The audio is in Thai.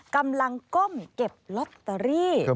กำลังก้มเก็บลอตเตอรี่